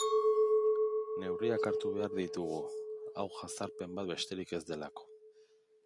Neurriak hartu behar ditugu, hau jazarpen bat besterik ez delako.